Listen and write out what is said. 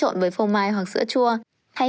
trộn với phô mai hoặc sữa chua thay